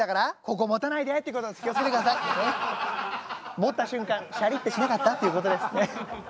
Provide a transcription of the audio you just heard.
持った瞬間シャリッてしなかった？っていうことです。